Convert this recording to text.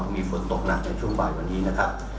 มีฝนตกหนักในช่วงบ่ายวันนี้นะครับ